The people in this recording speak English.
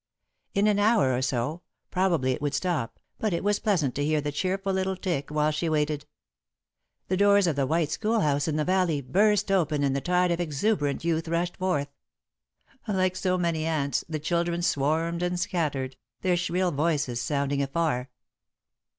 In an hour or so, probably, it would stop, but it was pleasant to hear the cheerful little tick while she waited. [Sidenote: The Red Ribbon] The doors of the white schoolhouse in the valley burst open and the tide of exuberant youth rushed forth. Like so many ants, the children swarmed and scattered, their shrill voices sounding afar.